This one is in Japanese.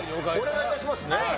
お願いいたしますね。